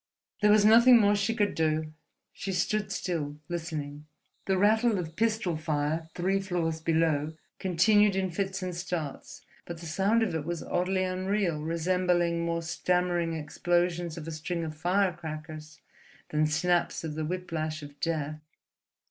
There was nothing more she could do. She stood still, listening. The rattle of pistol fire three floors below continued in fits and starts, but the sound of it was oddly unreal, resembling more stammering explosions of a string of firecrackers than snaps of the whiplash of Death.